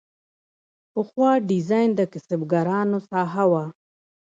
پخوا ډیزاین د کسبکارانو ساحه وه.